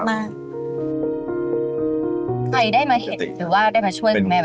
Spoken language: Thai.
ใครได้มาเห็นหรือว่าได้มาช่วยคุณแม่ไหม